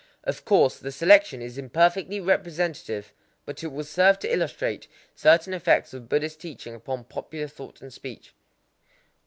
Of course the selection is imperfectly representative; but it will serve to illustrate certain effects of Buddhist teaching upon popular thought and speech.